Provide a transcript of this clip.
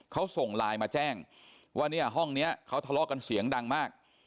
เขาส่งไลน์มาแจ้งว่าเนี่ยห้องนี้เขาทะเลาะกันเสียงดังมาก